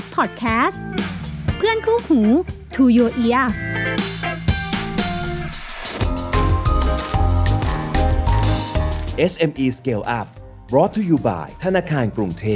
โปรดติดตามตอนต่อไป